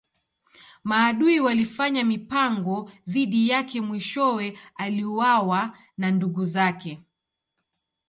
Maadui walifanya mipango dhidi yake mwishowe aliuawa na ndugu zake.